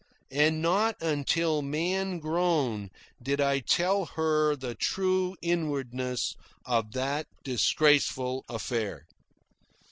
And not until man grown did I tell her the true inwardness of that disgraceful affair.